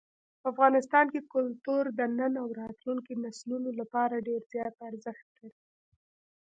افغانستان کې کلتور د نن او راتلونکي نسلونو لپاره ډېر زیات ارزښت لري.